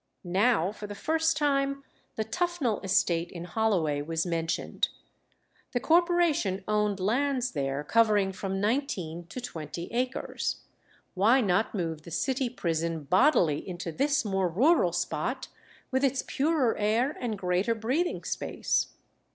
Now for the first time the Tuffnell estate in Holloway was mentioned. The Corporation owned lands there covering from nineteen to twenty acres. Why not move the city prison bodily into this more rural spot, with its purer air and greater breathing space?